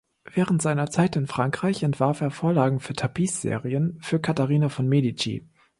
Während seiner Zeit in Frankreich entwarf er Vorlagen für Tapisserien für Katharina von Medici.